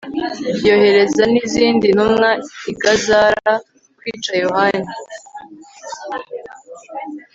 yohereza n'izindi ntumwa i gazara kwica yohani